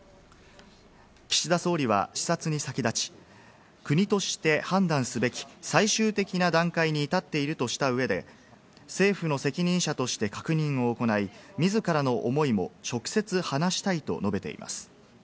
岸田総理は視察に先立ち、国として判断すべき最終的な段階に至っているとした上で、政府の責任者として確認を行い、自らの思いも直接話したいと述べています。